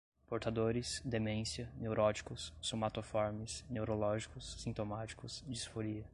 portadores, demência, neuróticos, somatoformes, neurológicos, sintomáticos, disforia